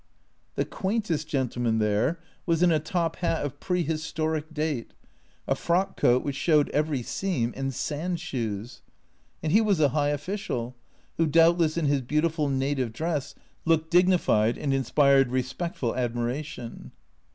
The quaintest gentleman there was in a top hat of prehistoric date, a frock coat which showed every seam, and sand shoes ! And he was a high official, who doubtless in his beautiful native dress looked dignified and inspired respectful admiration.